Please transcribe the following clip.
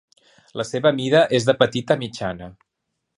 La seva mida és de petita a mitjana.